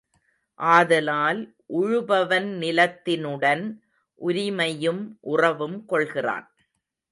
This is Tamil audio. ஆதலால் உழுபவன் நிலத்தினுடன் உரிமையும் உறவும் கொள்கிறான்.